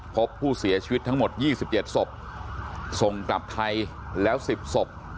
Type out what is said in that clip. พบผู้เสียชีวิตทั้งหมด๒๗ศพส่งกลับไทยแล้ว๑๐ศพ